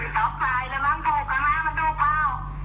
สักทายแล้วมันถูกขนาดมันถูกเปล่า